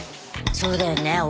そうだよね。